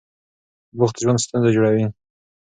بوخت ژوند ستونزه جوړوي.